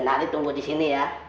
ari tunggu disini ya